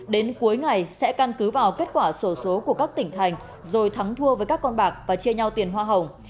đến cuối ngày sẽ căn cứ vào kết quả sổ số của các tỉnh thành rồi thắng thua với các con bạc và chia nhau tiền hoa hồng